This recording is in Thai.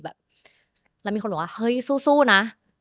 แล้วมีคนหนูว่าเฮ้ยซู่นะ